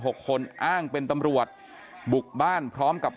โลกไว้แล้วพี่ไข่โลกไว้แล้วพี่ไข่